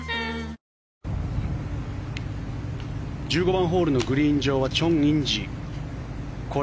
１５番ホールのグリーン上はチョン・インジ。